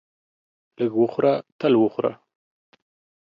لږ وخوره تل وخوره.